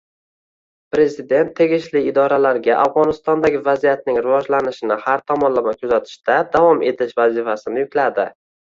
Prezident tegishli idoralarga Afg‘onistondagi vaziyatning rivojlanishini har tomonlama kuzatishda davom etish vazifasini yukladi